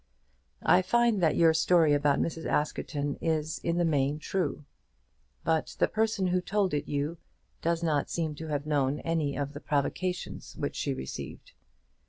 I find that your story about Mrs. Askerton is in the main true. But the person who told it you does not seem to have known any of the provocations which she received.